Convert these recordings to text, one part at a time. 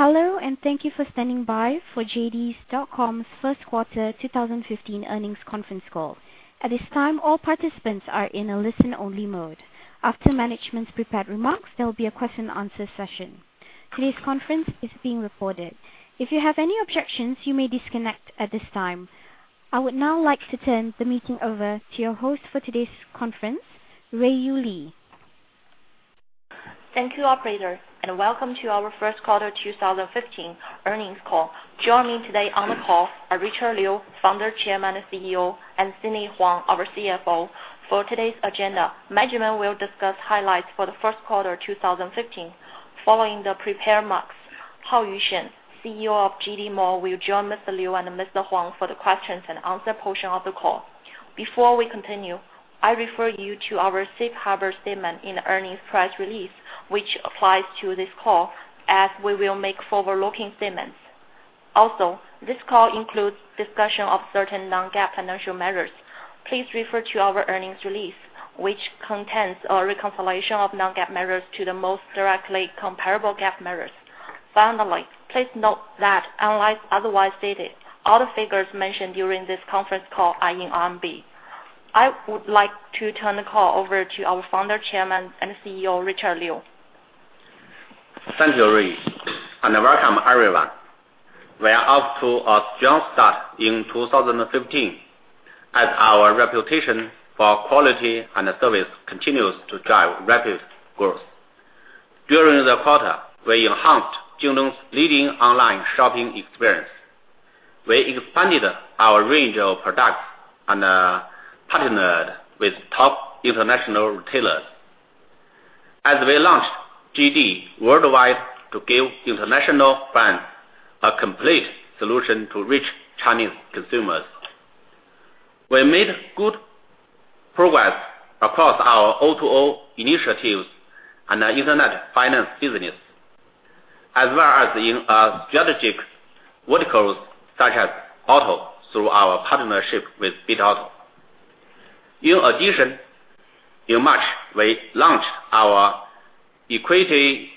Hello, and thank you for standing by for JD.com's first quarter 2015 earnings conference call. At this time, all participants are in a listen-only mode. After management's prepared remarks, there'll be a question and answer session. Today's conference is being recorded. If you have any objections, you may disconnect at this time. I would now like to turn the meeting over to your host for today's conference, Ruiyu Li. Thank you, operator, and welcome to our first quarter 2015 earnings call. Joining me today on the call are Richard Liu, founder, chairman, and CEO, and Sidney Huang, our CFO. For today's agenda, management will discuss highlights for the first quarter 2015. Following the prepared remarks, Haoyu Shen, CEO of JD Mall, will join Mr. Liu and Mr. Huang for the questions and answer portion of the call. Before we continue, I refer you to our safe harbor statement in the earnings press release, which applies to this call, as we will make forward-looking statements. Also, this call includes discussion of certain non-GAAP financial measures. Please refer to our earnings release, which contains a reconciliation of non-GAAP measures to the most directly comparable GAAP measures. Finally, please note that unless otherwise stated, all the figures mentioned during this conference call are in RMB. I would like to turn the call over to our founder, chairman, and CEO, Richard Liu. Thank you, Rui, and welcome, everyone. We are off to a strong start in 2015 as our reputation for quality and service continues to drive rapid growth. During the quarter, we enhanced JD.com's leading online shopping experience. We expanded our range of products and partnered with top international retailers as we launched JD Worldwide to give international brands a complete solution to reach Chinese consumers. We made good progress across our O2O initiatives and our internet finance business, as well as in our strategic verticals, such as auto, through our partnership with Bitauto. In addition, in March, we launched our equity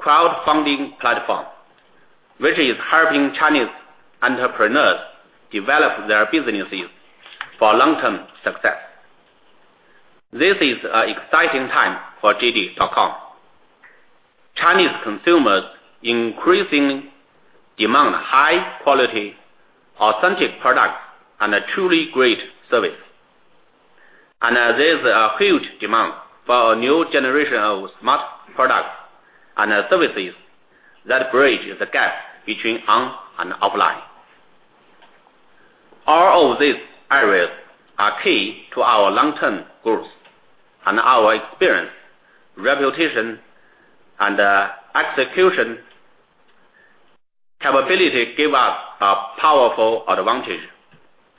crowdfunding platform, which is helping Chinese entrepreneurs develop their businesses for long-term success. This is an exciting time for JD.com. Chinese consumers increasingly demand high-quality, authentic products and truly great service. There's a huge demand for a new generation of smart products and services that bridge the gap between on and offline. All of these areas are key to our long-term growth, our experience, reputation, and execution capability give us a powerful advantage.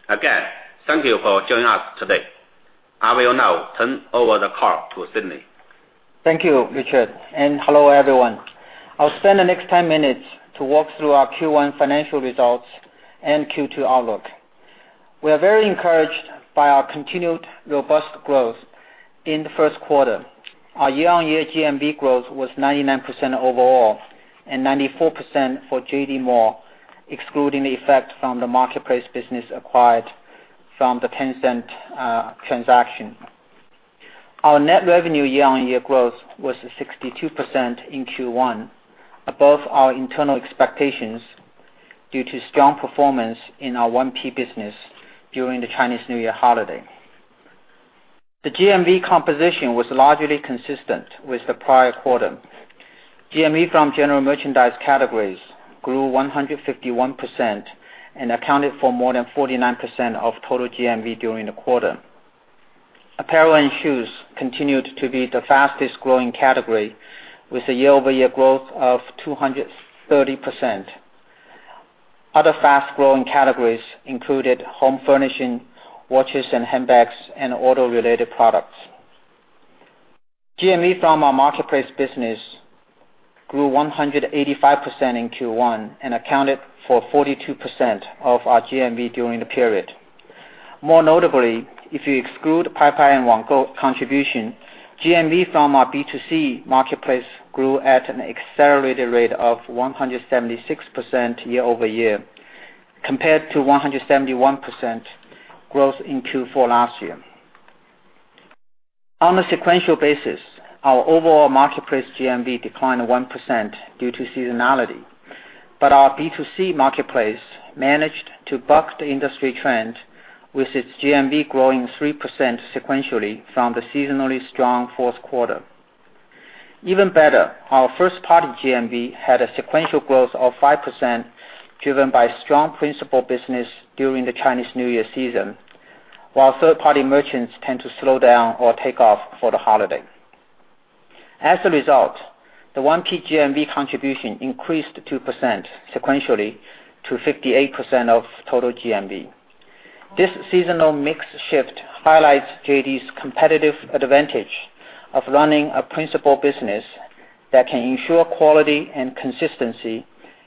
Again, thank you for joining us today. I will now turn over the call to Sidney. Thank you, Richard, and hello, everyone. I'll spend the next 10 minutes to walk through our Q1 financial results and Q2 outlook. We are very encouraged by our continued robust growth in the first quarter. Our year-on-year GMV growth was 99% overall and 94% for JD Mall, excluding the effect from the marketplace business acquired from the Tencent transaction. Our net revenue year-on-year growth was 62% in Q1, above our internal expectations due to strong performance in our 1P business during the Chinese New Year holiday. The GMV composition was largely consistent with the prior quarter. GMV from general merchandise categories grew 151% and accounted for more than 49% of total GMV during the quarter. Apparel and shoes continued to be the fastest-growing category, with a year-over-year growth of 230%. Other fast-growing categories included home furnishing, watches and handbags, and auto-related products. GMV from our marketplace business grew 185% in Q1 and accounted for 42% of our GMV during the period. More notably, if you exclude Paipai and Wanggou contribution, GMV from our B2C marketplace grew at an accelerated rate of 176% year-over-year, compared to 171% growth in Q4 last year. On a sequential basis, our overall marketplace GMV declined 1% due to seasonality, our B2C marketplace managed to buck the industry trend, with its GMV growing 3% sequentially from the seasonally strong fourth quarter. Even better, our first-party GMV had a sequential growth of 5%, driven by strong principal business during the Chinese New Year season, while third-party merchants tend to slow down or take off for the holiday. As a result, the 1P GMV contribution increased 2% sequentially to 58% of total GMV. This seasonal mix shift highlights JD's competitive advantage of running a principal business that can ensure quality and consistency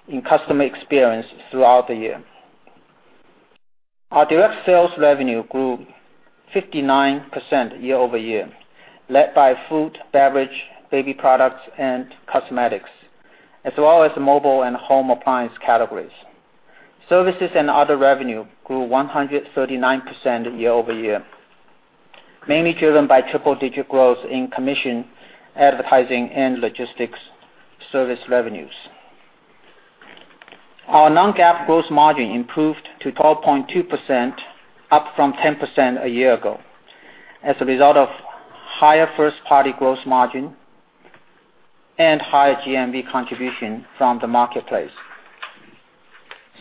in customer experience throughout the year. Our direct sales revenue grew 59% year-over-year, led by food, beverage, baby products, and cosmetics, as well as the mobile and home appliance categories. Services and other revenue grew 139% year-over-year, mainly driven by triple-digit growth in commission, advertising, and logistics service revenues. Our non-GAAP gross margin improved to 12.2%, up from 10% a year ago, as a result of higher first-party gross margin and higher GMV contribution from the marketplace.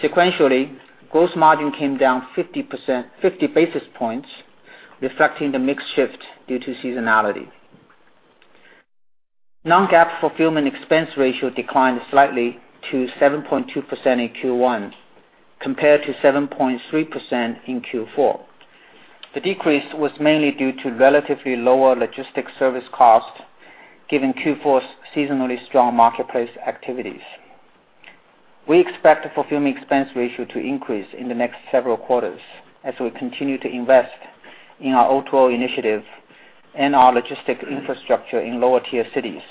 Sequentially, gross margin came down 50 basis points, reflecting the mix shift due to seasonality. Non-GAAP fulfillment expense ratio declined slightly to 7.2% in Q1 compared to 7.3% in Q4. The decrease was mainly due to relatively lower logistics service cost, given Q4's seasonally strong marketplace activities. We expect the fulfillment expense ratio to increase in the next several quarters as we continue to invest in our O2O initiative and our logistic infrastructure in lower-tier cities,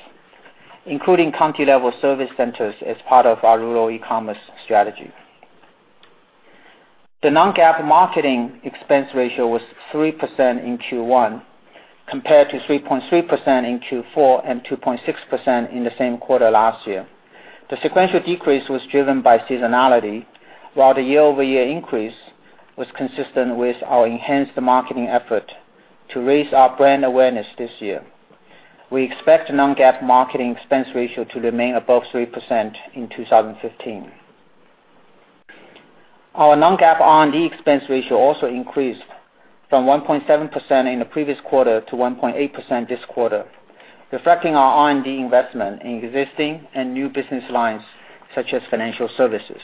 including county-level service centers as part of our rural e-commerce strategy. The non-GAAP marketing expense ratio was 3% in Q1, compared to 3.3% in Q4 and 2.6% in the same quarter last year. The sequential decrease was driven by seasonality, while the year-over-year increase was consistent with our enhanced marketing effort to raise our brand awareness this year. We expect non-GAAP marketing expense ratio to remain above 3% in 2015. Our non-GAAP R&D expense ratio also increased from 1.7% in the previous quarter to 1.8% this quarter, reflecting our R&D investment in existing and new business lines such as financial services.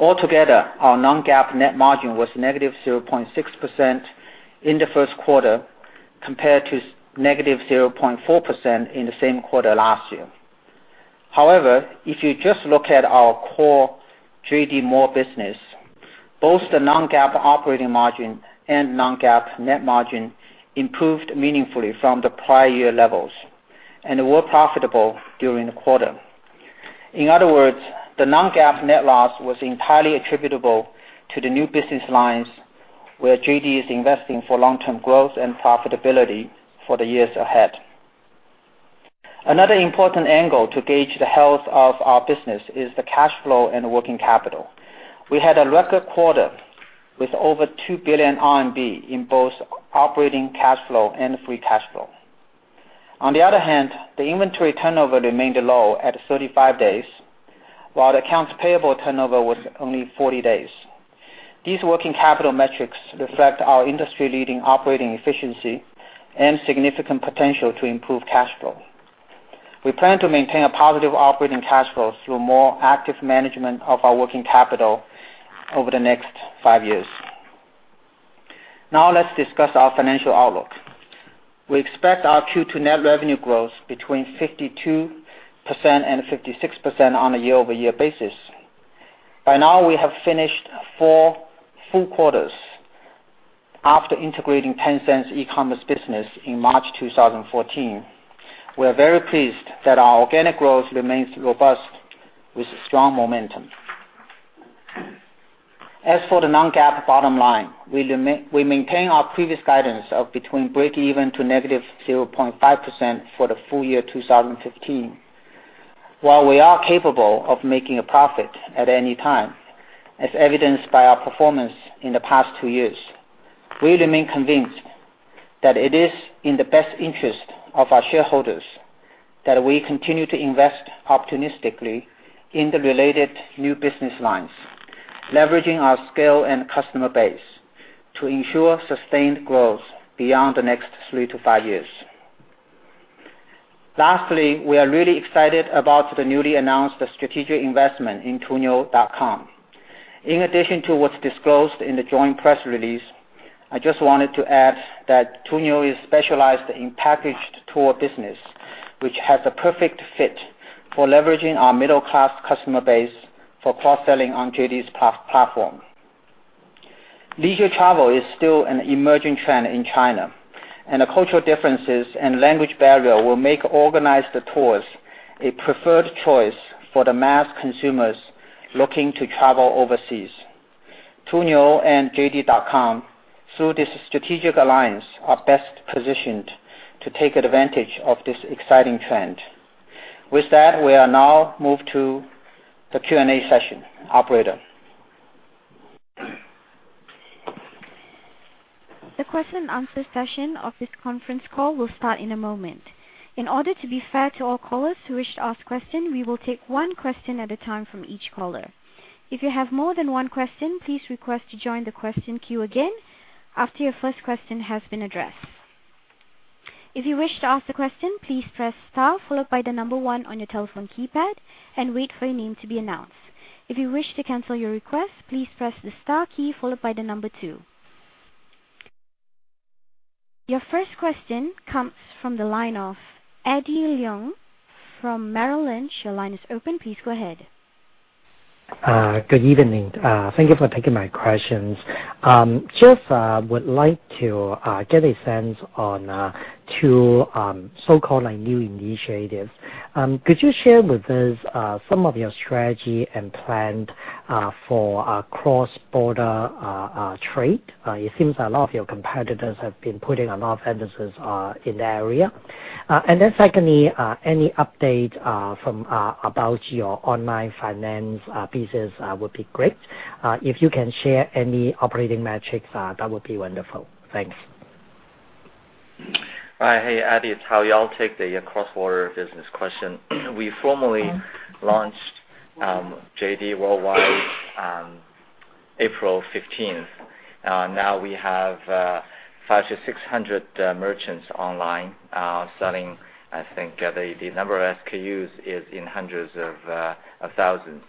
Altogether, our non-GAAP net margin was negative 0.6% in the first quarter, compared to negative 0.4% in the same quarter last year. However, if you just look at our core JD Mall business, both the non-GAAP operating margin and non-GAAP net margin improved meaningfully from the prior year levels and were profitable during the quarter. In other words, the non-GAAP net loss was entirely attributable to the new business lines where JD is investing for long-term growth and profitability for the years ahead. Another important angle to gauge the health of our business is the cash flow and working capital. We had a record quarter with over 2 billion RMB in both operating cash flow and free cash flow. On the other hand, the inventory turnover remained low at 35 days, while the accounts payable turnover was only 40 days. These working capital metrics reflect our industry-leading operating efficiency and significant potential to improve cash flow. We plan to maintain a positive operating cash flow through more active management of our working capital over the next five years. Let's discuss our financial outlook. We expect our Q2 net revenue growth between 52%-56% on a year-over-year basis. By now, we have finished four full quarters after integrating Tencent's e-commerce business in March 2014. We are very pleased that our organic growth remains robust with strong momentum. As for the non-GAAP bottom line, we maintain our previous guidance of between breakeven to negative 0.5% for the full year 2015. While we are capable of making a profit at any time, as evidenced by our performance in the past two years, we remain convinced that it is in the best interest of our shareholders that we continue to invest opportunistically in the related new business lines, leveraging our scale and customer base to ensure sustained growth beyond the next three to five years. We are really excited about the newly announced strategic investment in Tuniu.com. In addition to what's disclosed in the joint press release, I just wanted to add that Tuniu is specialized in packaged tour business, which has a perfect fit for leveraging our middle-class customer base for cross-selling on JD's platform. Leisure travel is still an emerging trend in China, and the cultural differences and language barrier will make organized tours a preferred choice for the mass consumers looking to travel overseas. Tuniu and JD.com, through this strategic alliance, are best positioned to take advantage of this exciting trend. With that, we are now moved to the Q&A session. Operator. The question and answer session of this conference call will start in a moment. In order to be fair to all callers who wish to ask questions, we will take one question at a time from each caller. If you have more than one question, please request to join the question queue again after your first question has been addressed. If you wish to ask the question, please press star followed by the number one on your telephone keypad and wait for your name to be announced. If you wish to cancel your request, please press the star key followed by the number two. Your first question comes from the line of Eddie Leung from Merrill Lynch. Your line is open. Please go ahead. Good evening. Thank you for taking my questions. Just would like to get a sense on two so-called new initiatives. Could you share with us some of your strategy and plan for cross-border trade? It seems a lot of your competitors have been putting a lot of emphasis in the area. Secondly, any update about your online finance business would be great. If you can share any operating metrics, that would be wonderful. Thanks. Right. Hey, Eddie, it's Haoyu. I'll take the cross-border business question. We formally launched JD Worldwide on April 15th. Now we have 500-600 merchants online selling. I think the number of SKUs is in hundreds of thousands.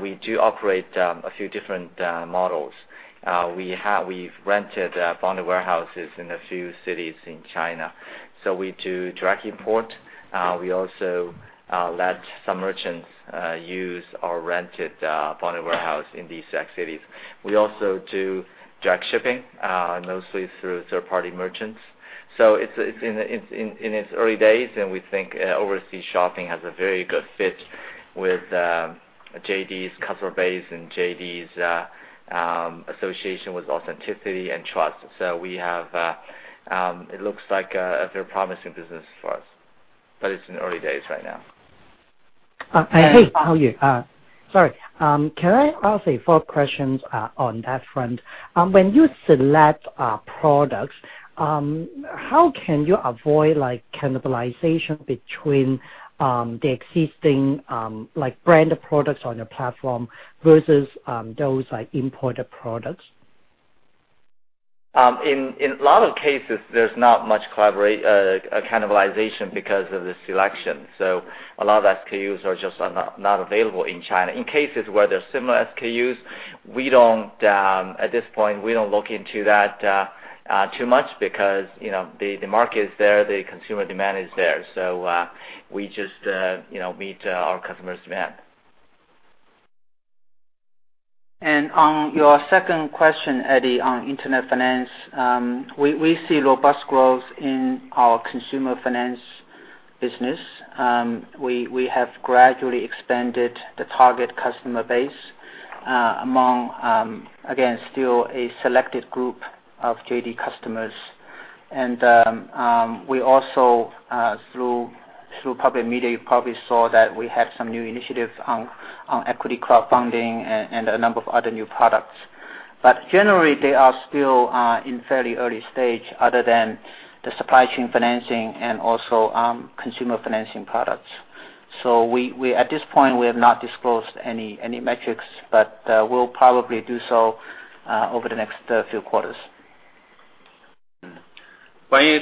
We do operate a few different models. We've rented bonded warehouses in a few cities in China, so we do direct import. We also let some merchants use our rented bonded warehouse in these cities. We also do direct shipping, mostly through third-party merchants. It's in its early days, and we think overseas shopping has a very good fit with JD's customer base and JD's association with authenticity and trust. It looks like a very promising business for us, but it's in the early days right now. Hey, Haoyu. Sorry. Can I ask a follow-up question on that front? When you select products, how can you avoid cannibalization between the existing branded products on your platform versus those imported products? In a lot of cases, there's not much cannibalization because of the selection. A lot of SKUs are just not available in China. In cases where there are similar SKUs, at this point, we don't look into that too much because the market is there, the consumer demand is there, we just meet our customers' demand. On your second question, Eddie, on internet finance, we see robust growth in our consumer finance business. We have gradually expanded the target customer base among, again, still a selected group of JD customers. We also, through public media, you probably saw that we have some new initiatives on equity crowdfunding and a number of other new products. Generally, they are still in fairly early stage other than the supply chain financing and also consumer financing products. At this point, we have not disclosed any metrics, but we'll probably do so over the next few quarters. Yeah.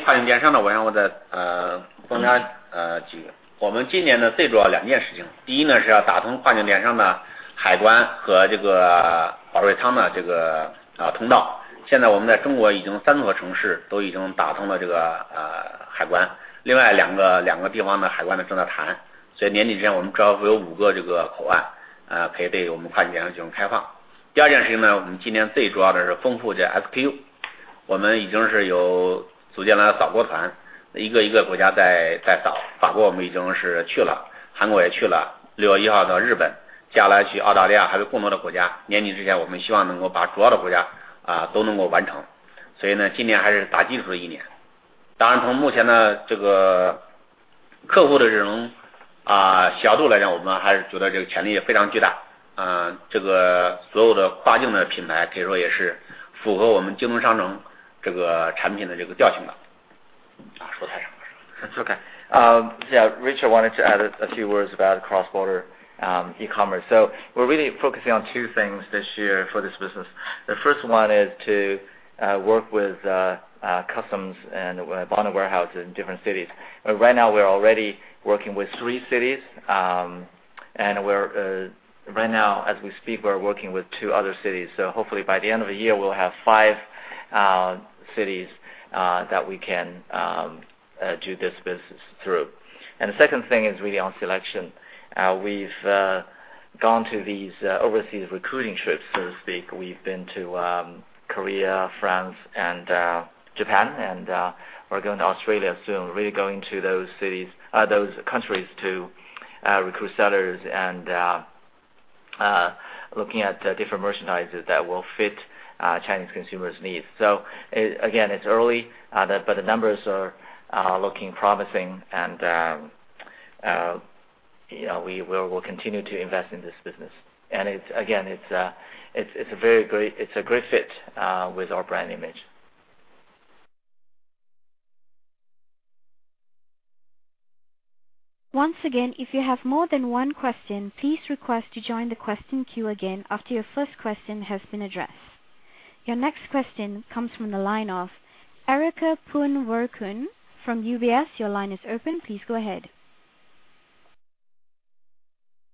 Richard wanted to add a few words about cross-border e-commerce. We're really focusing on two things this year for this business. The first one is to work with customs and bonded warehouses in different cities. Right now, we're already working with three cities, and right now, as we speak, we're working with two other cities. Hopefully by the end of the year, we'll have five cities that we can do this business through. The second thing is really on selection. We've gone to these overseas recruiting trips, so to speak. We've been to Korea, France, and Japan, and we're going to Australia soon. We're really going to those countries to recruit sellers and looking at different merchandises that will fit Chinese consumers' needs. Again, it's early, but the numbers are looking promising and we'll continue to invest in this business. Again, it's a great fit with our brand image. Once again, if you have more than one question, please request to join the question queue again after your first question has been addressed. Your next question comes from the line of Erica Poon Werkun from UBS. Your line is open. Please go ahead.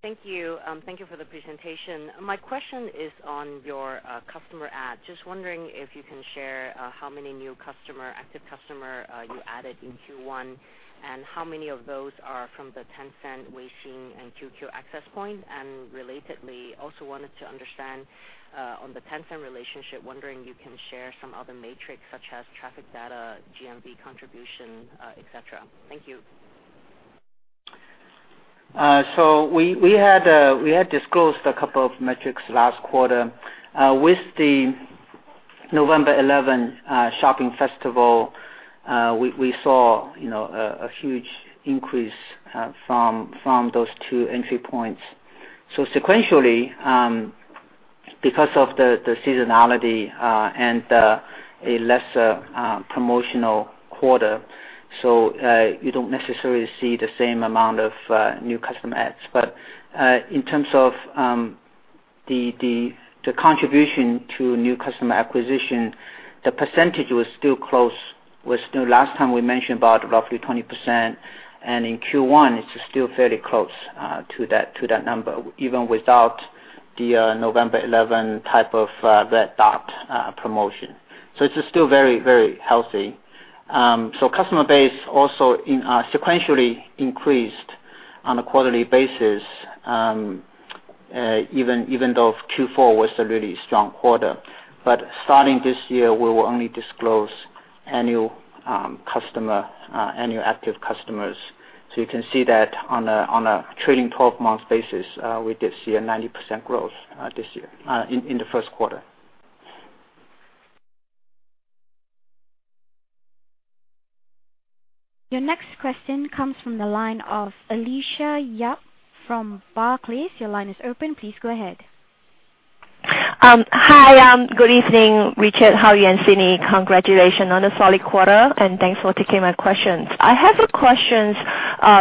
Thank you for the presentation. My question is on your customer add. Just wondering if you can share how many new active customers you added in Q1, and how many of those are from the Tencent, Weixin, and QQ access point? Relatedly, also wanted to understand on the Tencent relationship, wondering you can share some other metrics such as traffic data, GMV contribution, et cetera. Thank you. We had disclosed a couple of metrics last quarter. With the November 11 Shopping Festival, we saw a huge increase from those two entry points. Sequentially, because of the seasonality and a lesser promotional quarter, you don't necessarily see the same amount of new customer adds. In terms of the contribution to new customer acquisition, the percentage last time we mentioned about roughly 20%, and in Q1, it's still fairly close to that number, even without the November 11 type of Red Dot promotion. It's still very healthy. Customer base also sequentially increased on a quarterly basis, even though Q4 was a really strong quarter. Starting this year, we will only disclose annual active customers. You can see that on a trailing 12-month basis, we did see a 90% growth in the first quarter. Your next question comes from the line of Alicia Yap from Barclays. Your line is open. Please go ahead. Hi. Good evening, Richard, Hao, and Sidney. Congratulations on the solid quarter, and thanks for taking my questions. I have a question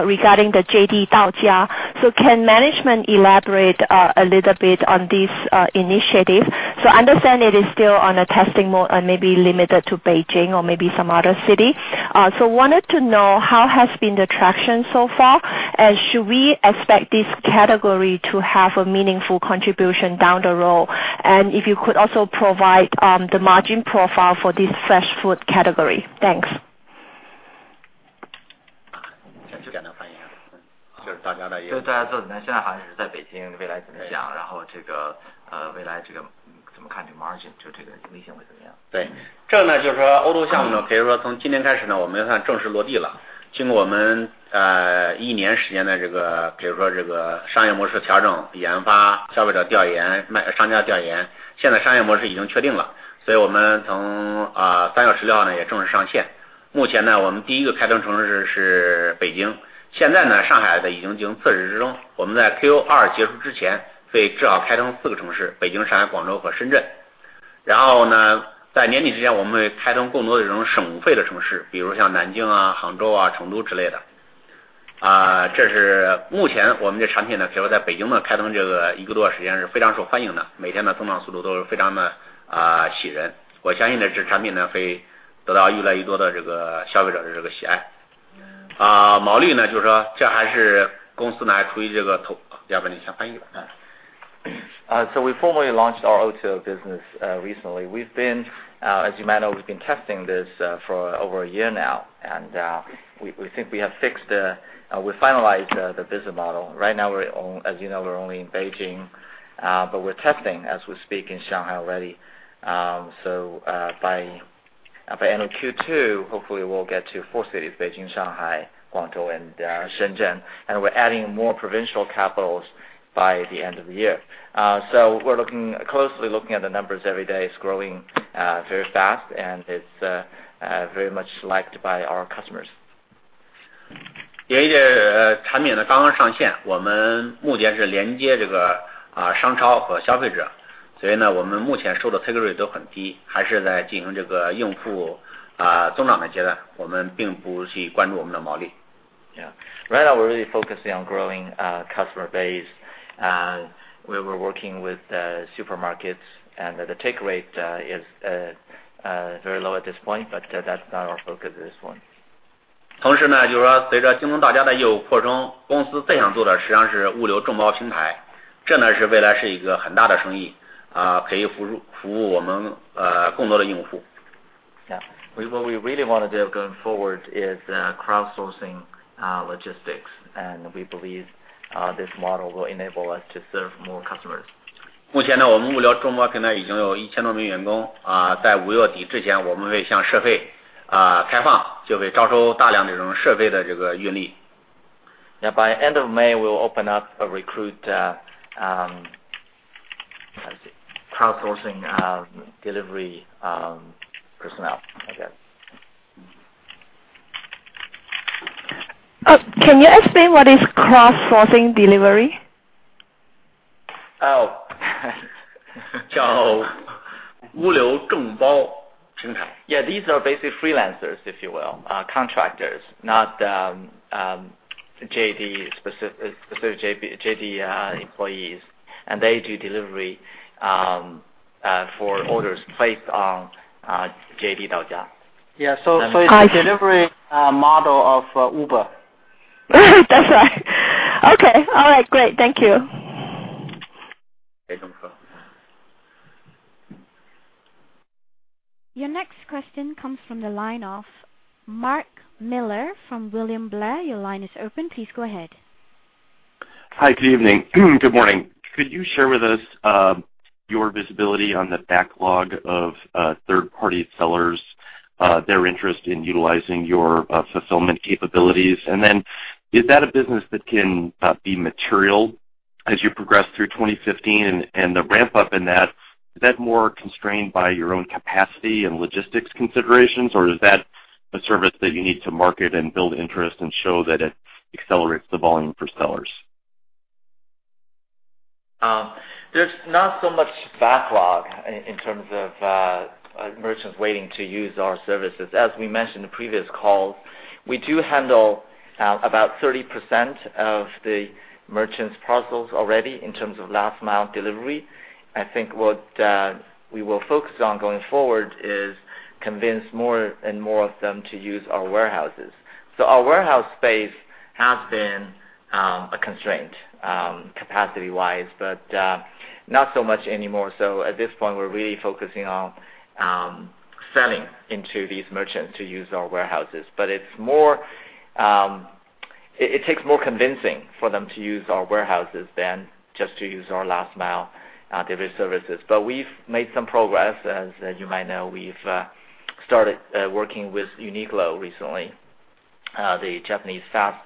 regarding the JD Daojia. Can management elaborate a little bit on this initiative? I understand it is still on a testing mode and may be limited to Beijing or maybe some other city. Wanted to know how has been the traction so far, and should we expect this category to have a meaningful contribution down the road? If you could also provide the margin profile for this fresh food category. Thanks. We formally launched our O2O business recently. As you might know, we've been testing this for over a year now, and we think we have finalized the business model. Right now, as you know, we're only in Beijing, but we're testing, as we speak, in Shanghai already. By end of Q2, hopefully we'll get to four cities, Beijing, Shanghai, Guangzhou, and Shenzhen. We're adding more provincial capitals by the end of the year. We're closely looking at the numbers every day. It's growing very fast, and it's very much liked by our customers. Yeah. Right now we're really focusing on growing customer base. We're working with supermarkets, and the take rate is very low at this point, but that's not our focus at this point. Yeah. What we really want to do going forward is crowdsourcing logistics, and we believe this model will enable us to serve more customers. Yeah, by end of May, we'll open up a recruit, crowdsourcing delivery personnel, I guess. Can you explain what is crowdsourcing delivery? Oh. These are basically freelancers, if you will, contractors, not specific JD employees, and they do delivery for orders placed on JD. It's a delivery model of Uber. That's right. Okay. All right, great. Thank you. Your next question comes from the line of Mark Miller from William Blair. Your line is open. Please go ahead. Hi. Good evening. Good morning. Could you share with us your visibility on the backlog of third-party sellers, their interest in utilizing your fulfillment capabilities? Is that a business that can be material as you progress through 2015 and the ramp-up in that, is that more constrained by your own capacity and logistics considerations, or is that a service that you need to market and build interest and show that it accelerates the volume for sellers? There's not so much backlog in terms of merchants waiting to use our services. As we mentioned in previous calls, we do handle about 30% of the merchants' parcels already in terms of last-mile delivery. I think what we will focus on going forward is convince more and more of them to use our warehouses. Our warehouse space has been a constraint capacity-wise, but not so much anymore. At this point, we're really focusing on selling into these merchants to use our warehouses. It takes more convincing for them to use our warehouses than just to use our last-mile delivery services. We've made some progress. As you might know, we've started working with Uniqlo recently, the Japanese fast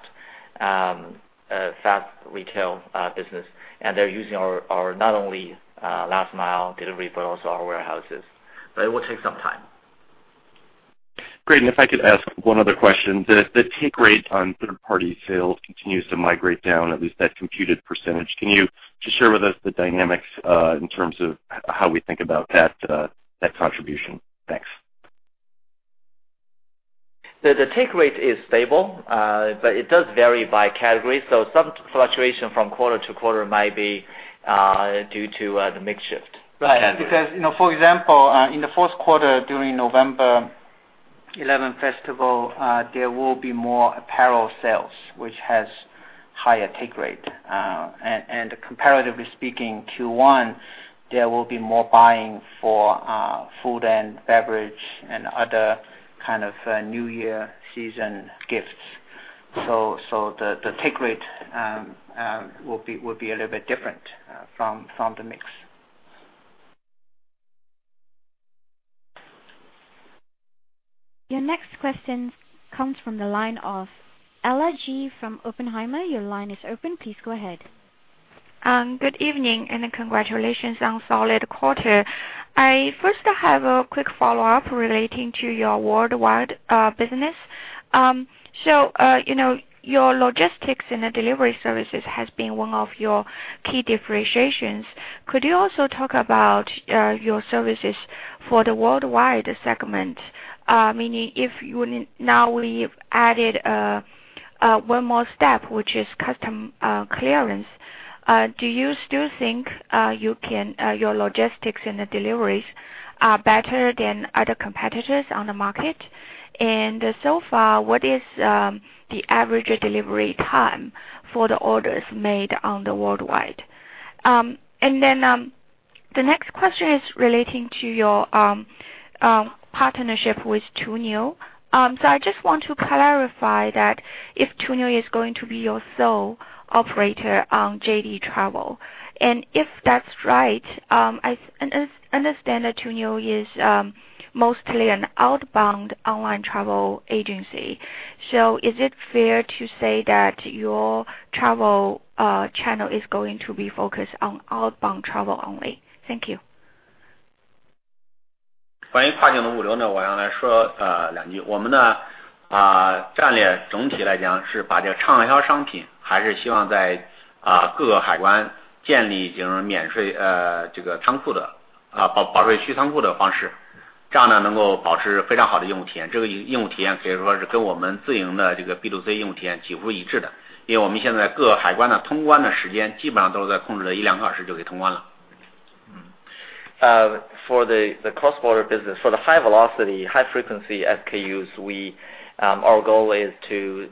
retail business. They're using not only our last-mile delivery but also our warehouses. It will take some time. Great. If I could ask one other question. The take rate on third-party sales continues to migrate down, at least that computed percentage. Can you just share with us the dynamics, in terms of how we think about that contribution? Thanks. The take rate is stable, but it does vary by category, so some fluctuation from quarter to quarter might be due to the mix shift. For example, in the fourth quarter, during November 11 Festival, there will be more apparel sales, which has higher take rate. Comparatively speaking, Q1, there will be more buying for food and beverage and other kind of New Year season gifts. The take rate will be a little bit different from the mix. Your next question comes from the line of Ella Ji from Oppenheimer. Your line is open. Please go ahead. Good evening. Congratulations on solid quarter. I first have a quick follow-up relating to your worldwide business. Your logistics and delivery services has been one of your key differentiations. Could you also talk about your services for the worldwide segment? Meaning, if you now added one more step, which is custom clearance, do you still think your logistics and the deliveries are better than other competitors on the market? So far, what is the average delivery time for the orders made on the worldwide? Then, the next question is relating to your partnership with Tuniu. I just want to clarify that if Tuniu is going to be your sole operator on JD Travel. If that's right, I understand that Tuniu is mostly an outbound online travel agency. Is it fair to say that your travel channel is going to be focused on outbound travel only? Thank you. For the cross-border business, for the high velocity, high-frequency SKUs, our goal is to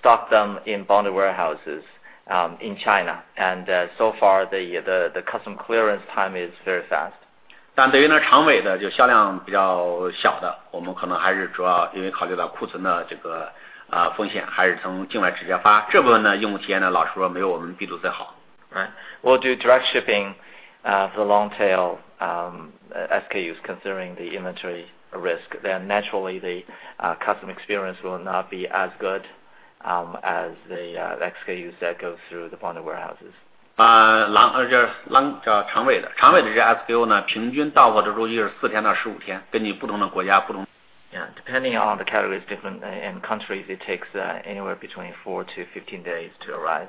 stock them in bonded warehouses in China, and so far, the custom clearance time is very fast. We will do direct shipping for the long-tail SKUs considering the inventory risk. Naturally, the custom experience will not be as good as the SKUs that go through the bonded warehouses. Depending on the categories different and countries, it takes anywhere between four to 15 days to arrive.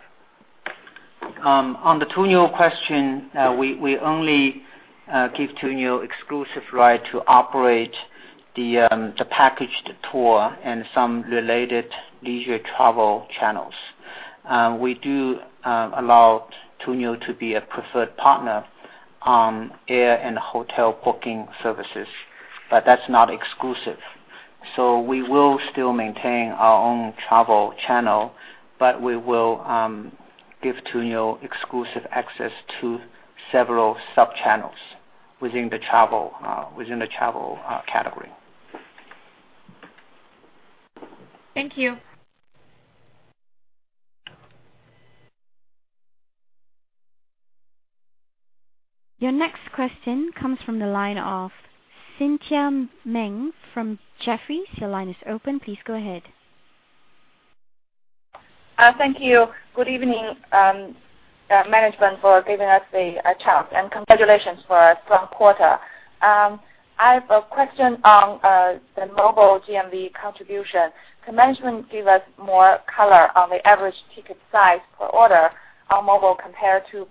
On the Tuniu question, we only give Tuniu exclusive right to operate the packaged tour and some related leisure travel channels. We do allow Tuniu to be a preferred partner on air and hotel booking services, but that is not exclusive. We will still maintain our own travel channel, but we will give Tuniu exclusive access to several sub-channels within the travel category. Thank you. Your next question comes from the line of Cynthia Meng from Jefferies. Your line is open. Please go ahead. Thank you. Good evening, management, for giving us the chance, and congratulations from [quarter]. I have a question on the mobile GMV contribution. Can management give us more color on the average ticket size per order on mobile compared to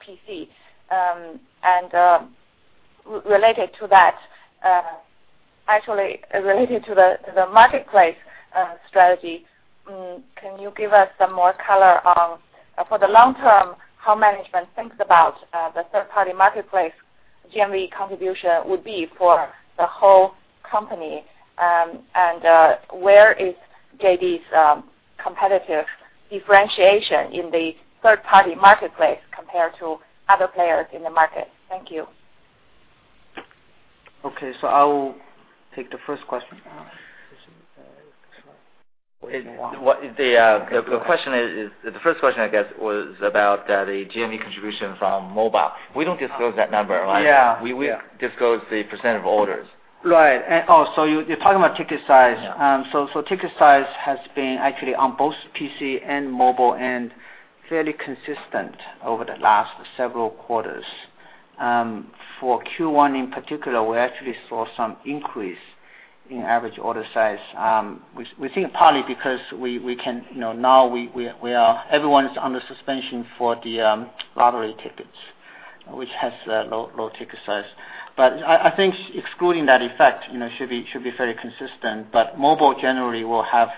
PC? Related to the marketplace strategy, can you give us some more color on, for the long term, how management thinks about the third-party marketplace GMV contribution would be for the whole company? Where is JD's competitive differentiation in the third-party marketplace compared to other players in the market? Thank you. Okay, I will take the first question. The first question, I guess, was about the GMV contribution from mobile. We don't disclose that number, right? Yeah. We will disclose the % of orders. Right. You're talking about ticket size. Yeah. Ticket size has been actually on both PC and mobile fairly consistent over the last several quarters. For Q1, in particular, we actually saw some increase in average order size. We think partly because now everyone's on the suspension for the lottery tickets, which has a low ticket size. I think excluding that effect, it should be fairly consistent, mobile generally will have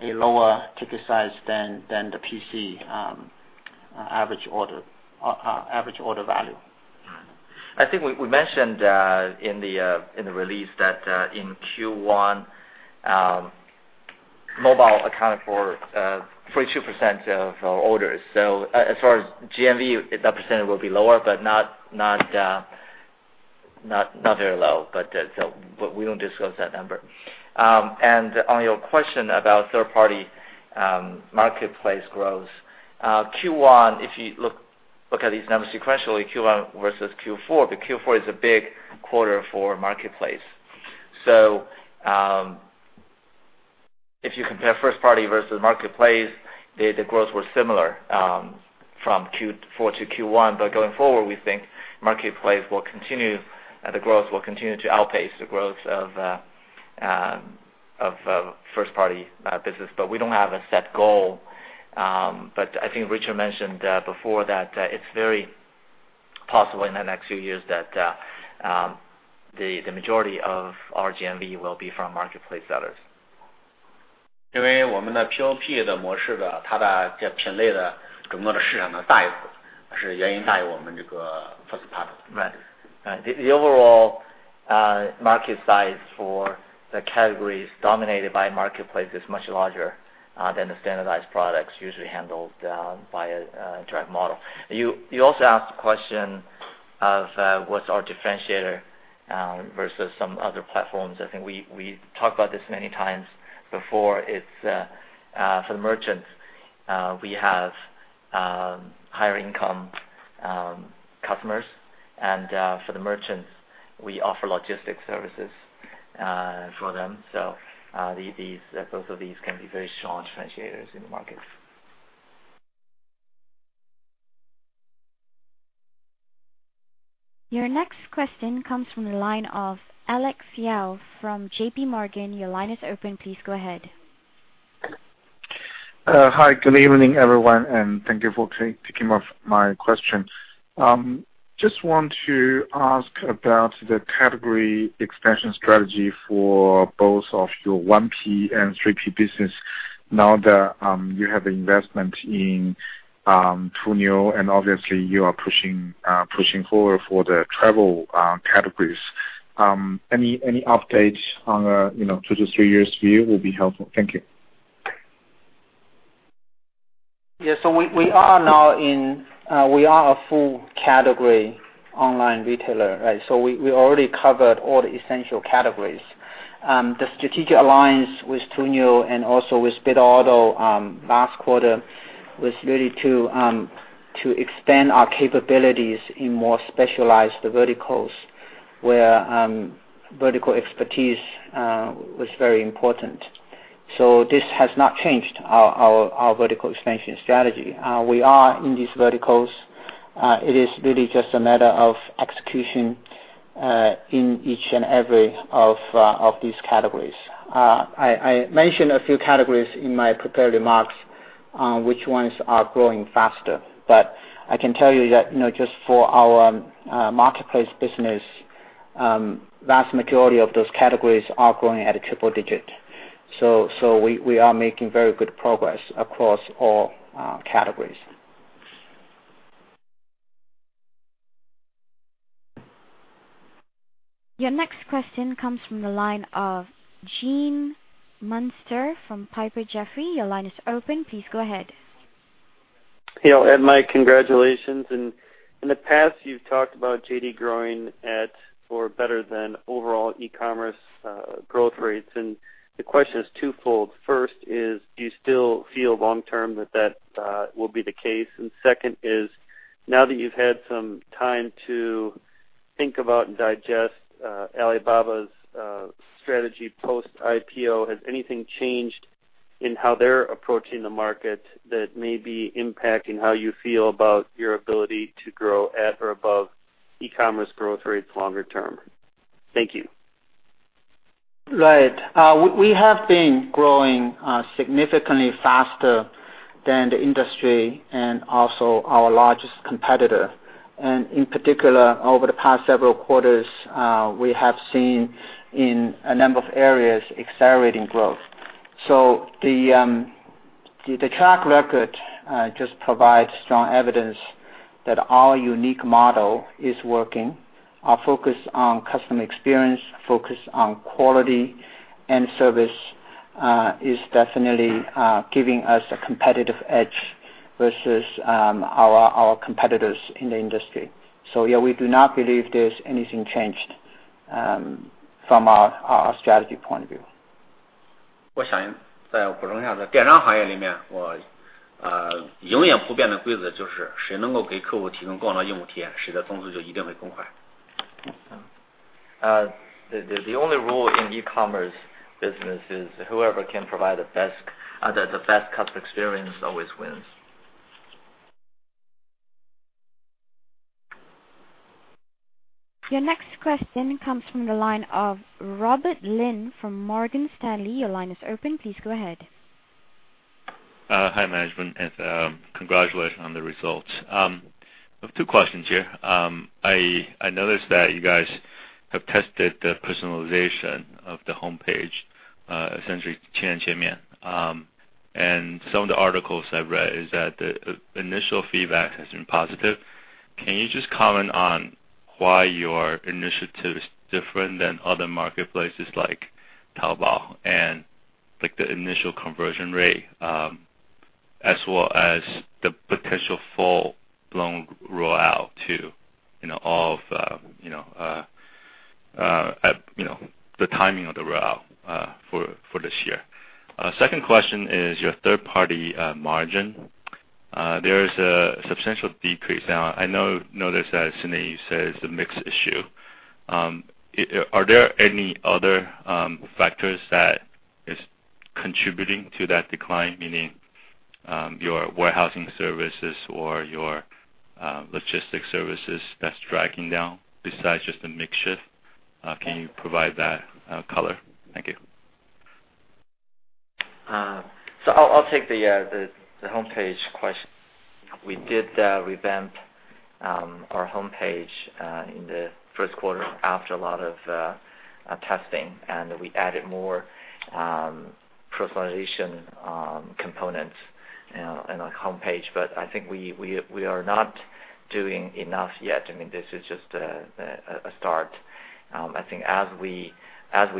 a lower ticket size than the PC average order value. I think we mentioned in the release that in Q1, mobile accounted for 32% of our orders. As far as GMV, that percentage will be lower, not very low, we don't disclose that number. On your question about third-party marketplace growth. Q1, if you look at these numbers sequentially, Q1 versus Q4 is a big quarter for marketplace. If you compare first-party versus marketplace, the growth was similar from Q4 to Q1. Going forward, we think marketplace growth will continue to outpace the growth of first-party business, we don't have a set goal. I think Richard mentioned before that it's very possible in the next few years that the majority of our GMV will be from marketplace sellers. The overall market size for the categories dominated by marketplace is much larger than the standardized products usually handled by a direct model. You also asked a question of what's our differentiator versus some other platforms. I think we've talked about this many times before. For the merchants, we have higher-income customers, and for the merchants, we offer logistics services for them. Both of these can be very strong differentiators in the market. Your next question comes from the line of Alex Yao from J.P. Morgan. Your line is open. Please go ahead. Hi, good evening, everyone, and thank you for taking my question. I just want to ask about the category expansion strategy for both of your 1P and 3P business. Now that you have investment in Tuniu, and obviously you are pushing forward for the travel categories. Any updates on a 2-3 years view will be helpful. Thank you. We are a full category online retailer. We already covered all the essential categories. The strategic alliance with Tuniu and also with Bitauto last quarter was really to expand our capabilities in more specialized verticals, where vertical expertise was very important. This has not changed our vertical expansion strategy. We are in these verticals. It is really just a matter of execution in each and every of these categories. I mentioned a few categories in my prepared remarks on which ones are growing faster. I can tell you that just for our marketplace business Vast majority of those categories are growing at a triple digit. We are making very good progress across all categories. Your next question comes from the line of Gene Munster from Piper Jaffray. Your line is open. Please go ahead. Hey, Ed and Mike, congratulations. In the past, you've talked about JD growing at or better than overall e-commerce growth rates. The question is twofold. First is, do you still feel long-term that will be the case? Second is, now that you've had some time to think about and digest Alibaba's strategy post-IPO, has anything changed in how they're approaching the market that may be impacting how you feel about your ability to grow at or above e-commerce growth rates longer term? Thank you. Right. We have been growing significantly faster than the industry and also our largest competitor. In particular, over the past several quarters, we have seen in a number of areas accelerating growth. The track record just provides strong evidence that our unique model is working. Our focus on customer experience, focus on quality and service, is definitely giving us a competitive edge versus our competitors in the industry. Yeah, we do not believe there's anything changed from our strategy point of view. The only rule in e-commerce business is whoever can provide the best customer experience always wins. Your next question comes from the line of Robert Lin from Morgan Stanley. Your line is open. Please go ahead. Hi, management. Congratulations on the results. I have two questions here. I noticed that you guys have tested the personalization of the homepage, essentially. Some of the articles I've read is that the initial feedback has been positive. Can you just comment on why your initiative is different than other marketplaces like Taobao? The initial conversion rate, as well as the potential full-blown rollout, too, of the timing of the rollout for this year. Second question is your third-party margin. There is a substantial decrease. I know notice that, Sidney, you said it's a mix issue. Are there any other factors that is contributing to that decline, meaning your warehousing services or your logistics services that's dragging down besides just a mix shift? Can you provide that color? Thank you. I'll take the homepage question. We did revamp our homepage in the first quarter after a lot of testing, and we added more personalization components in our homepage. I think we are not doing enough yet. This is just a start. I think as we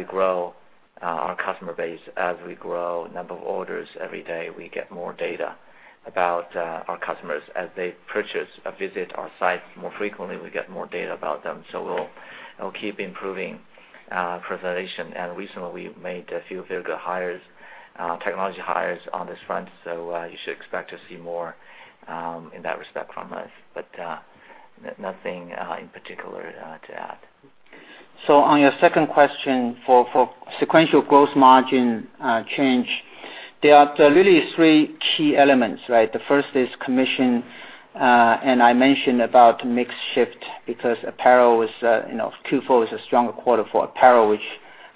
grow our customer base, as we grow the number of orders every day, we get more data about our customers. As they purchase or visit our site more frequently, we get more data about them. We'll keep improving personalization. Recently, we've made a few very good hires, technology hires on this front. You should expect to see more in that respect from us, but nothing in particular to add. On your second question, for sequential gross margin change, there are really three key elements. The first is commission. I mentioned about mix shift because Q4 is a stronger quarter for apparel, which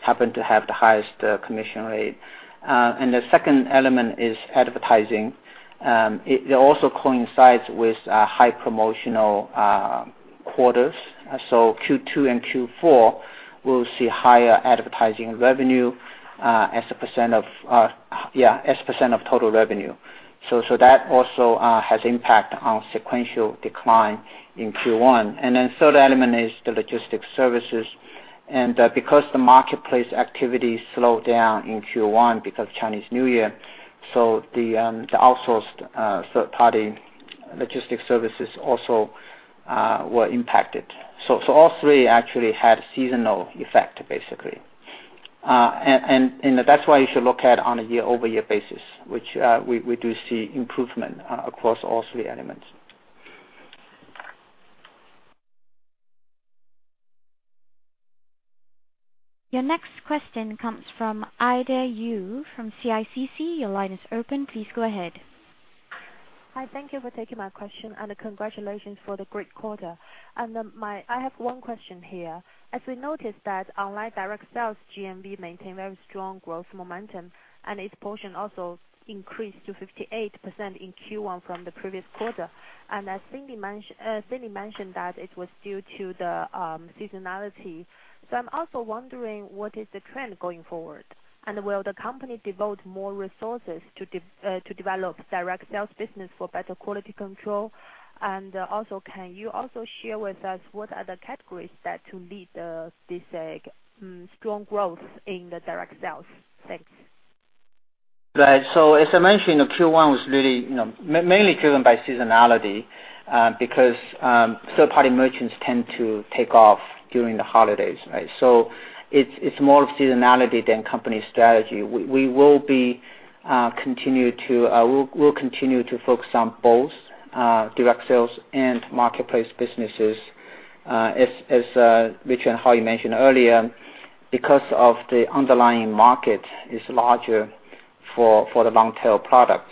happened to have the highest commission rate. The second element is advertising. It also coincides with high promotional quarters. Q2 and Q4 will see higher advertising revenue as a % of total revenue. That also has impact on sequential decline in Q1. The third element is the logistics services. Because the marketplace activities slowed down in Q1 because of Chinese New Year, so the outsourced third-party logistics services also were impacted. All three actually had seasonal effect, basically. That's why you should look at on a year-over-year basis, which we do see improvement across all three elements. Your next question comes from Ida Yu from CICC. Your line is open. Please go ahead. Hi, thank you for taking my question and congratulations for the great quarter. I have one question here. As we noticed that online direct sales GMV maintained very strong growth momentum, and its portion also increased to 58% in Q1 from the previous quarter. As Sidney Huang mentioned, that it was due to the seasonality. I'm also wondering what is the trend going forward, and will the company devote more resources to develop direct sales business for better quality control? Can you also share with us what are the categories that lead this strong growth in the direct sales? Thanks. Right. As I mentioned, Q1 was really mainly driven by seasonality, because third-party merchants tend to take off during the holidays. It's more of seasonality than company strategy. We will continue to focus on both direct sales and marketplace businesses, as Richard Liu mentioned earlier, because of the underlying market is larger for the long-tail products.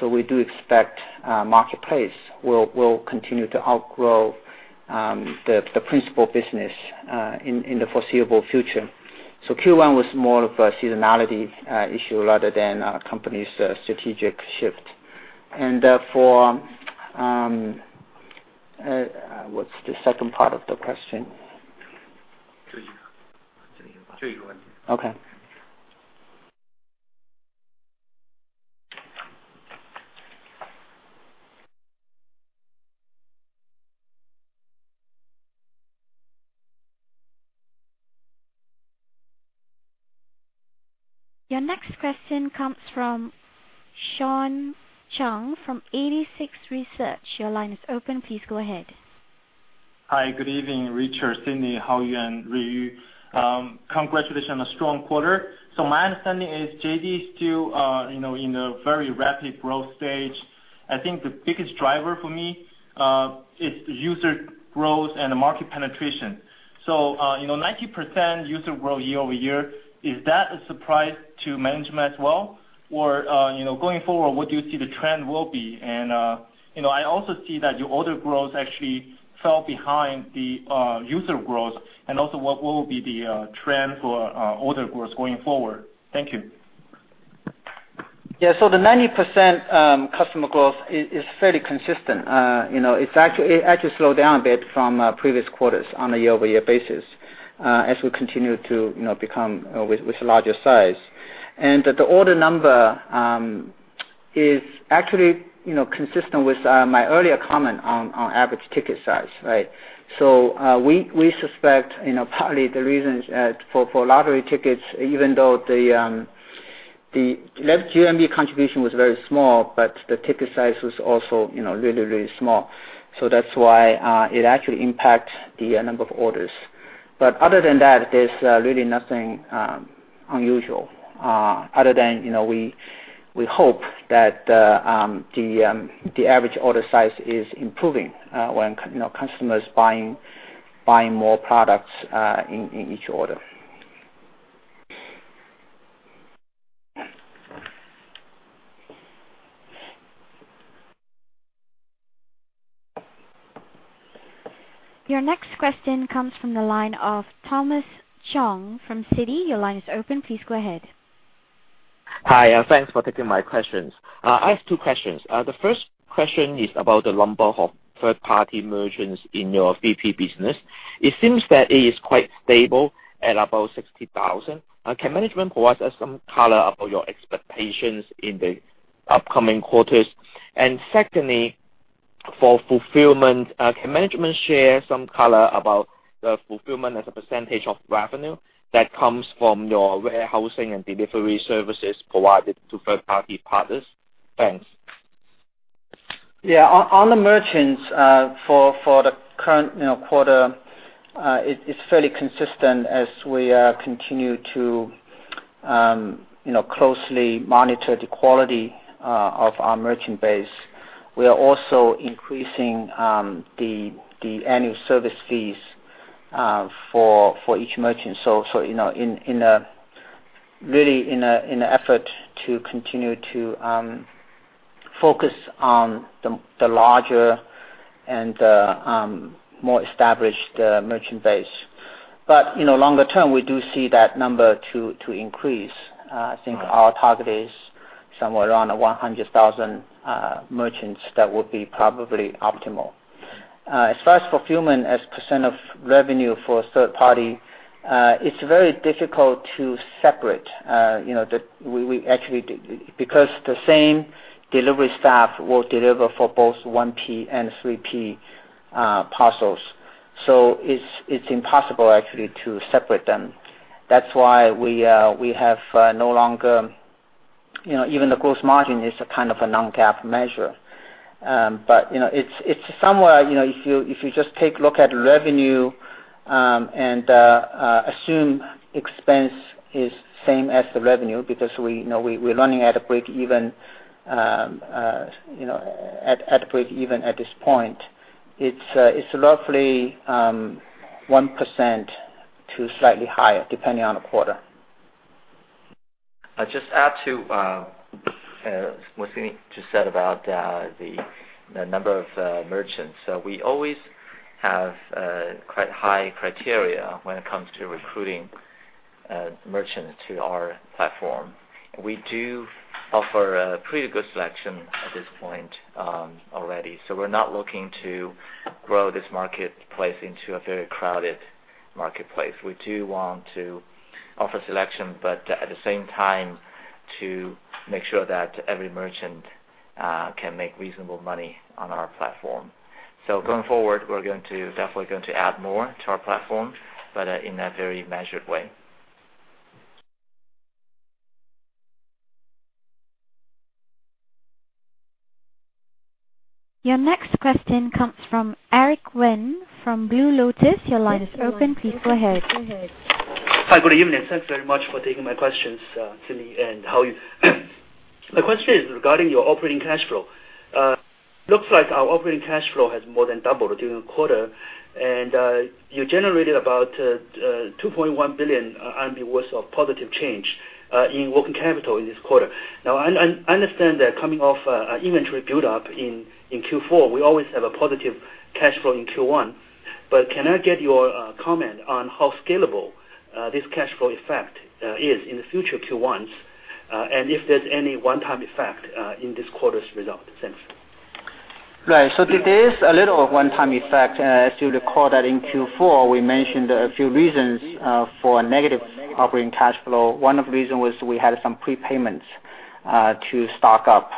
We do expect marketplace will continue to outgrow the principal business in the foreseeable future. Q1 was more of a seasonality issue rather than a company's strategic shift. What's the second part of the question? Okay. Your next question comes from Sean Zhang from 86Research. Your line is open. Please go ahead. Hi, good evening, Richard Liu, Sidney Huang, Haoyu Shen, Ruiyu Li. Congratulations on a strong quarter. My understanding is JD is still in a very rapid growth stage. I think the biggest driver for me is user growth and market penetration. 90% user growth year-over-year, is that a surprise to management as well? Going forward, what do you see the trend will be? I also see that your order growth actually fell behind the user growth and also what will be the trend for order growth going forward? Thank you. The 90% customer growth is fairly consistent. It actually slowed down a bit from previous quarters on a year-over-year basis as we continue to become with larger size. The order number is actually consistent with my earlier comment on average ticket size. We suspect probably the reasons for lottery tickets, even though the left GMV contribution was very small, but the ticket size was also really, really small. That's why it actually impacts the number of orders. Other than that, there's really nothing unusual, other than we hope that the average order size is improving when customers buying more products in each order. Your next question comes from the line of Thomas Chong from Citi. Your line is open. Please go ahead. Hi, thanks for taking my questions. I have two questions. The first question is about the number of third-party merchants in your 3P business. It seems that it is quite stable at about 60,000. Can management provide us some color about your expectations in the upcoming quarters? Secondly, for fulfillment, can management share some color about the fulfillment as a % of revenue that comes from your warehousing and delivery services provided to third-party partners? Thanks. Yeah. On the merchants, for the current quarter, it's fairly consistent as we continue to closely monitor the quality of our merchant base. We are also increasing the annual service fees for each merchant. Really in an effort to continue to focus on the larger and the more established merchant base. Longer term, we do see that number to increase. I think our target is somewhere around 100,000 merchants that would be probably optimal. As far as fulfillment as % of revenue for a third party, it's very difficult to separate, because the same delivery staff will deliver for both 1P and 3P parcels. It's impossible actually to separate them. That's why we have no longer Even the gross margin is a kind of a non-GAAP measure. It's somewhere, if you just take a look at revenue and assume expense is same as the revenue, because we're running at a break even at this point. It's roughly 1% to slightly higher, depending on the quarter. I'll just add to what Sidney just said about the number of merchants. We always have quite high criteria when it comes to recruiting merchants to our platform. We do offer a pretty good selection at this point already. We're not looking to grow this marketplace into a very crowded marketplace. We do want to offer selection, but at the same time, to make sure that every merchant can make reasonable money on our platform. Going forward, we're definitely going to add more to our platform, but in a very measured way. Your next question comes from Eric Wen from Blue Lotus. Your line is open. Please go ahead. Hi. Good evening. Thanks very much for taking my questions, Sidney and Haoyu. My question is regarding your operating cash flow. Looks like our operating cash flow has more than doubled during the quarter, and you generated about 2.1 billion RMB worth of positive change in working capital in this quarter. Now, I understand that coming off an inventory build-up in Q4, we always have a positive cash flow in Q1. Can I get your comment on how scalable this cash flow effect is in the future Q1s, and if there's any one-time effect in this quarter's result? Thanks. Right. There is a little one-time effect. As you recall that in Q4, we mentioned a few reason for a negative operating cash flow. One of the reason was we had some prepayments to stock up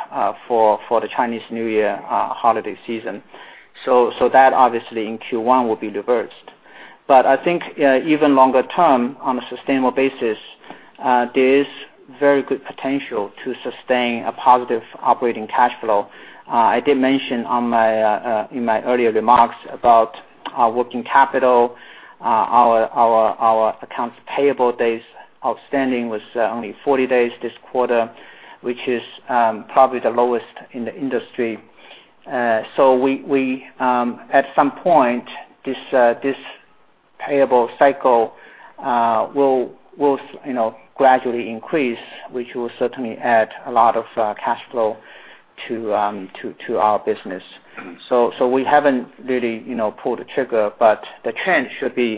for the Chinese New Year holiday season. That obviously in Q1 will be reversed. I think even longer term, on a sustainable basis, there is very good potential to sustain a positive operating cash flow. I did mention in my earlier remarks about our working capital. Our accounts payable days outstanding was only 40 days this quarter, which is probably the lowest in the industry. At some point, this payable cycle will gradually increase, which will certainly add a lot of cash flow to our business. We haven't really pulled the trigger, but the trend should be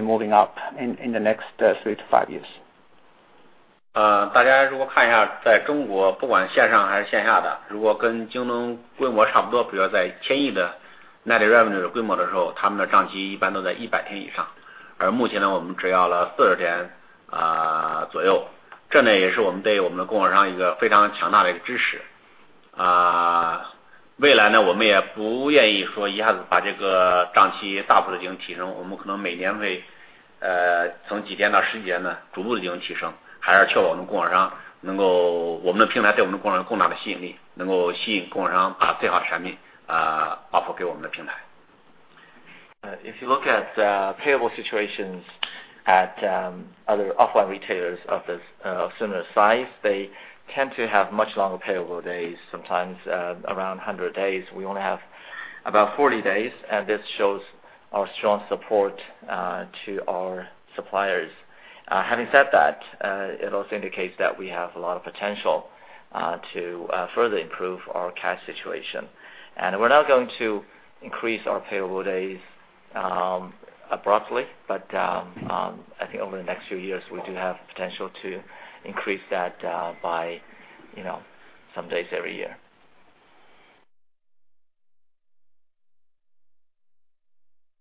moving up in the next three to five years. If you look at the payable situations at other offline retailers of similar size, they tend to have much longer payable days, sometimes around 100 days. We only have about 40 days, this shows our strong support to our suppliers. Having said that, it also indicates that we have a lot of potential to further improve our cash situation. We're not going to increase our payable days abruptly, but I think over the next few years, we do have potential to increase that by some days every year.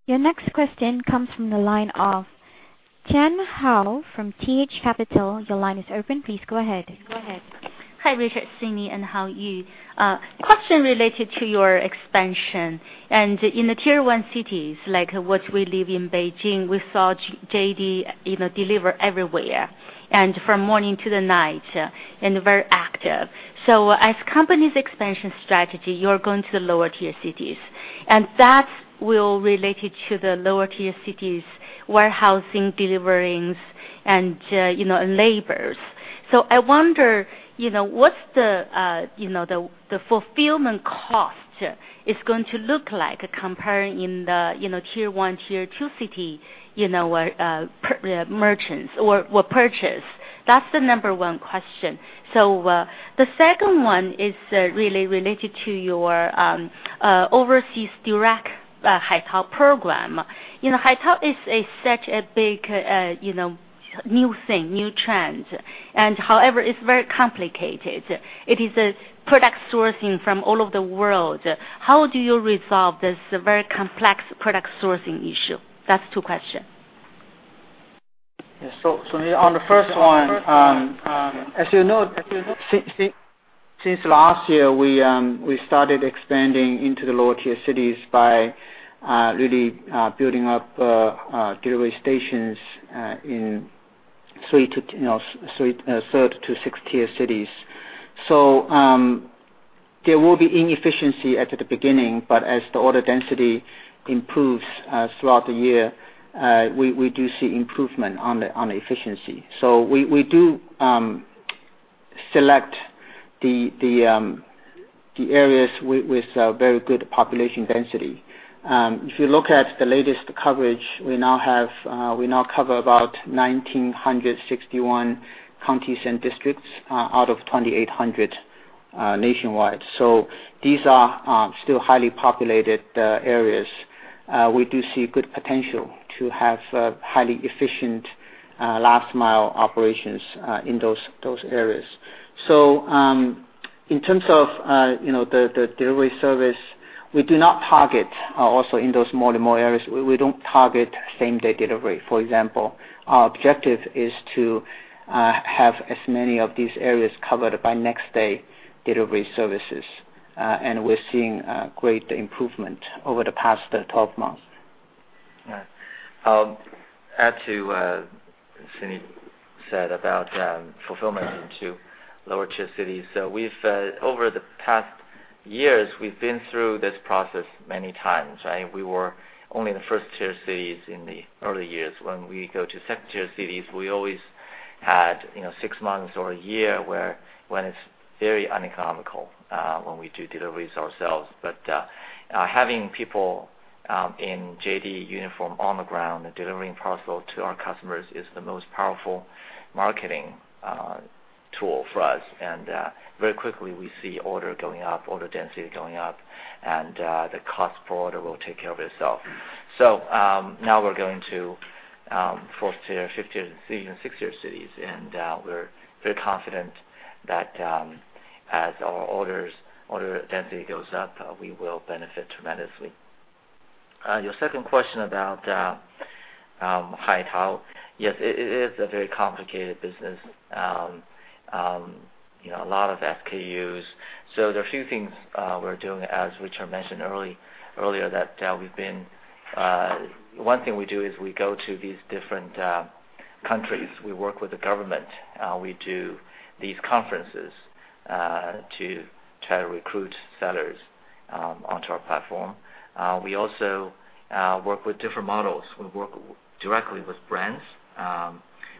Your next question comes from the line of Tian Hou from T.H. Capital. Your line is open. Please go ahead. Hi, Richard, Sidney, and Haoyu. A question related to your expansion. In the Tier 1 cities, like what we live in Beijing, we saw JD deliver everywhere, from morning to the night, very active. As company's expansion strategy, you're going to lower-tier cities, that will relate to the lower-tier cities' warehousing, deliverings, and labors. I wonder, what's the fulfillment cost is going to look like comparing in the Tier 1, Tier 2 city merchants or purchase? That's the number one question. The second one is really related to your overseas direct Haitao program. Haitao is such a big new thing, new trend. However, it's very complicated. It is a product sourcing from all over the world. How do you resolve this very complex product sourcing issue? That's two questions. Yeah. On the first one, as you know, since last year, we started expanding into the lower-tier cities by really building up delivery stations in 3rd to 6th-tier cities. There will be inefficiency at the beginning, but as the order density improves throughout the year, we do see improvement on efficiency. Select the areas with very good population density. If you look at the latest coverage, we now cover about 1,961 counties and districts out of 2,800 nationwide. These are still highly populated areas. We do see good potential to have highly efficient last-mile operations in those areas. In terms of the delivery service, we do not target Also, in those more and more areas, we don't target same-day delivery. For example, our objective is to have as many of these areas covered by next-day delivery services. We're seeing great improvement over the past 12 months. Yeah. I'll add to what Sidney Huang said about fulfillment into lower-tier cities. Over the past years, we've been through this process many times, right? We were only in the 1st-tier cities in the early years. When we go to 2nd-tier cities, we always had 6 months or 1 year, when it's very uneconomical when we do deliveries ourselves. Having people in JD uniform on the ground and delivering parcels to our customers is the most powerful marketing tool for us. Very quickly, we see orders going up, order density going up, and the cost per order will take care of itself. Now we're going to 4th-tier, 5th-tier cities, and 6th-tier cities, and we're very confident that as our order density goes up, we will benefit tremendously. Your second question about Haitao, yes, it is a very complicated business. A lot of SKUs. There are a few things we're doing, as Richard Liu mentioned earlier. One thing we do is we go to these different countries. We work with the government. We do these conferences to try to recruit sellers onto our platform. We also work with different models. We work directly with brands.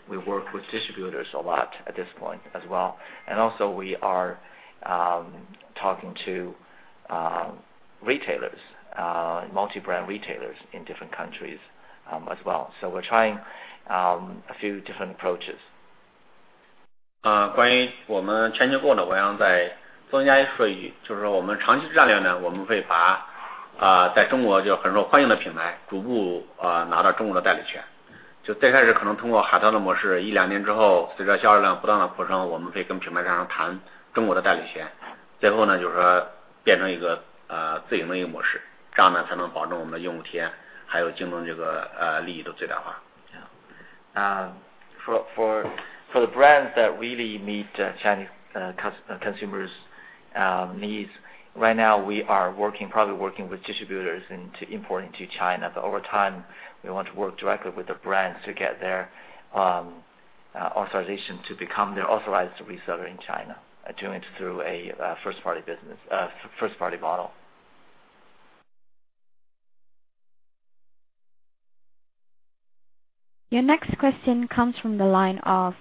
We work with distributors a lot at this point as well, and also we are talking to retailers, multi-brand retailers in different countries as well. We're trying a few different approaches. For the brands that really meet Chinese consumers' needs, right now, we are probably working with distributors into importing to China. Over time, we want to work directly with the brands to get their authorization to become their authorized reseller in China, doing it through a first-party model. Your next question comes from the line of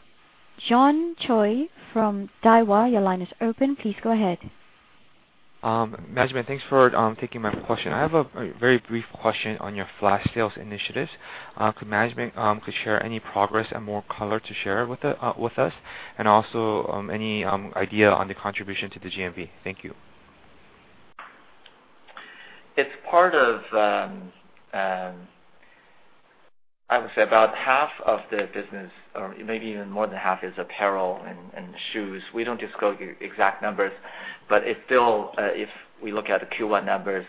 John Choi from Daiwa. Your line is open. Please go ahead. Management, thanks for taking my question. I have a very brief question on your flash sales initiatives. Could management share any progress and more color to share with us? Any idea on the contribution to the GMV? Thank you. It's part of I would say about half of the business, or maybe even more than half, is apparel and shoes. We don't disclose the exact numbers, if we look at the Q1 numbers,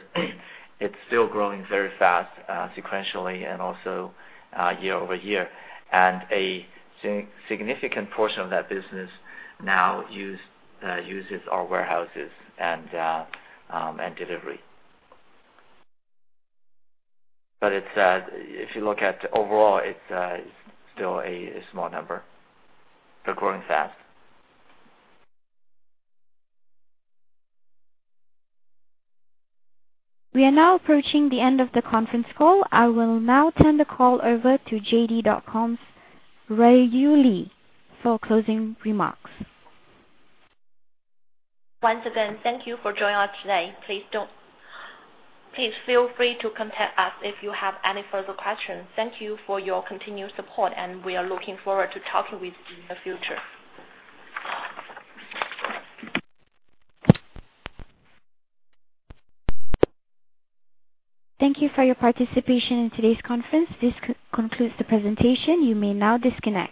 it's still growing very fast, sequentially and also year-over-year. A significant portion of that business now uses our warehouses and delivery. If you look at overall, it's still a small number. They're growing fast. We are now approaching the end of the conference call. I will now turn the call over to JD.com's Ruiyu Li for closing remarks. Once again, thank you for joining us today. Please feel free to contact us if you have any further questions. Thank you for your continued support, we are looking forward to talking with you in the future. Thank you for your participation in today's conference. This concludes the presentation. You may now disconnect.